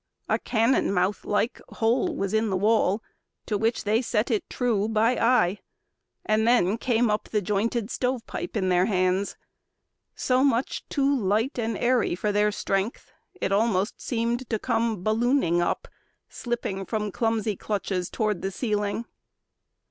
A cannon mouth like hole was in the wall, To which they set it true by eye; and then Came up the jointed stovepipe in their hands, So much too light and airy for their strength It almost seemed to come ballooning up, Slipping from clumsy clutches toward the ceiling.